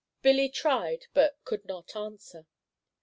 Billy tried, but could not answer.